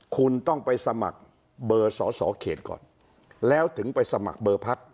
คุณต้องไปสมัครเบอร์สอสอเขตก่อนแล้วถึงไปสมัครเบอร์พัก